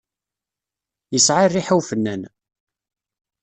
Yesεa rriḥa ufennan.